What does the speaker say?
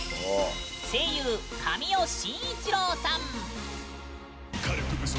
声優神尾晋一郎さん！